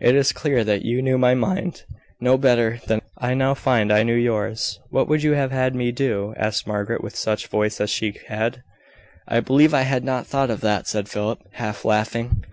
It is clear that you knew my mind no better than I now find I knew yours." "What would you have had me do?" asked Margaret, with such voice as she had. "I believe I had not thought of that," said Philip, half laughing.